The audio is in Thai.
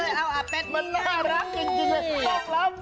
รับลำเยอะ